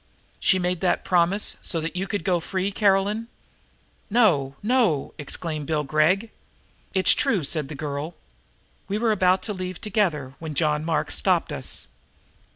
"She made that promise so that you could go free, Caroline?" "No, no!" exclaimed Bill Gregg. "It's true," said the girl. "We were about to leave together when John Mark stopped us."